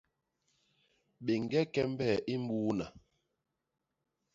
Béñge kembe i mbuuna.